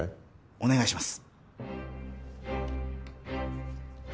お願いします